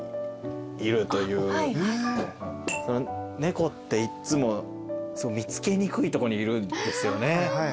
猫っていつも見つけにくいとこにいるんですよね。